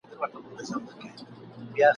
وئيل ئې دلته واړه د غالب طرفداران دي !.